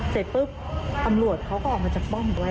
เสร็จปุ๊บตำรวจเขาก็ออกมาจากป้อมไว้